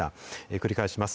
繰り返します。